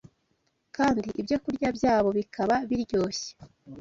kandi ibyokurya byabo bikaba biryoshye.